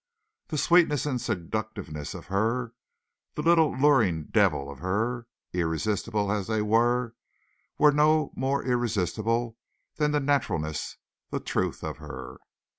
The sweetness and seductiveness of her, the little luring devil of her, irresistible as they were, were no more irresistible than the naturalness, the truth of her.